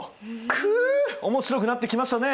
くう面白くなってきましたね。